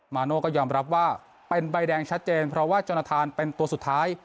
โน่ก็ยอมรับว่าเป็นใบแดงชัดเจนเพราะว่าจนทานเป็นตัวสุดท้าย